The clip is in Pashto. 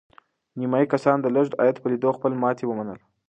نیمایي کسانو د لږ عاید په لیدو خپله ماتې ومنله.